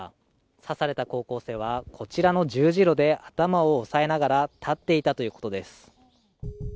刺された高校生は、こちらの十字路で頭を押さえながら立っていたということです。